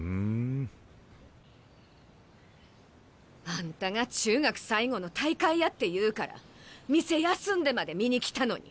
あんたが中学最後の大会やって言うから店休んでまで見に来たのに。